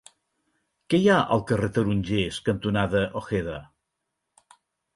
Què hi ha al carrer Tarongers cantonada Ojeda?